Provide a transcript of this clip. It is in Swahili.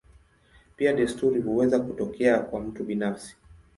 Pia desturi huweza kutokea kwa mtu binafsi.